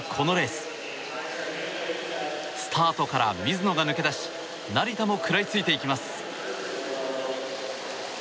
スタートから水野が抜け出し成田も食らいついていきます。